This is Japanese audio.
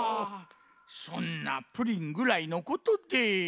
そんなプリンぐらいのことで。